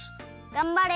がんばれ。